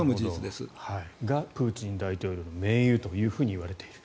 その人がプーチン大統領の盟友といわれている。